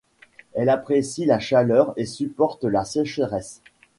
Elle apprécie la chaleur et supporte la sécheresse.